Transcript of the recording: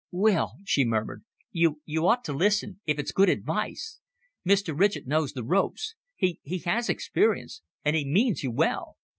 "Will," she murmured, "you you ought to listen, if it's good advice. Mr. Ridgett knows the ropes he, he has experience and he means you well."